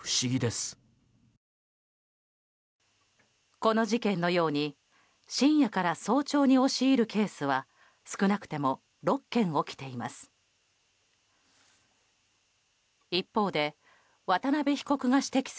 この事件のように深夜から早朝に押し入るケースは少なくても６件起きています。